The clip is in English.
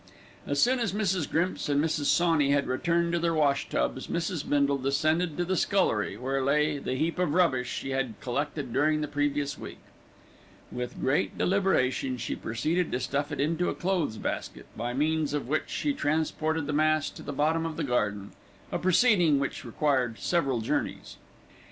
As soon as Mrs. Grimps and Mrs. Sawney had returned to their wash tubs, Mrs. Bindle descended to the scullery, where lay the heap of rubbish she had collected during the previous week. With great deliberation she proceeded to stuff it into a clothes basket, by means of which she transported the mass to the bottom of the garden, a proceeding which required several journeys.